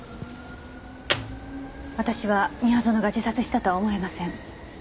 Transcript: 私は宮園が自殺したとは思えません。